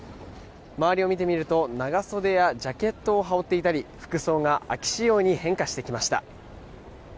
周りを見てみると、長袖やジャケットを羽織っていたり服装が秋仕様に変化してきました。